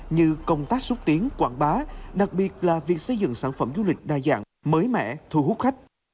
như công tác xúc tiến quảng bá đặc biệt là việc xây dựng sản phẩm du lịch đa dạng mới mẻ thu hút khách